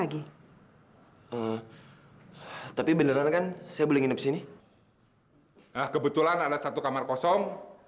aku tahu semalam aku tuh salah banget mil aku tuh terlalu emosian